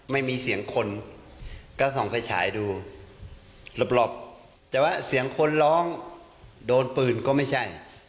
ไม่มีเสียงคนก็ส่องไฟฉายดูหลบแต่ว่าเสียงคนร้องโดนปืนก็ไม่ใช่